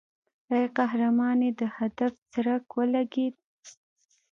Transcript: ای قهرمانې د هدف څرک ولګېد.